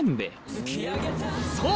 そう！